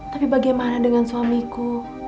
tapi bagaimana dengan suamiku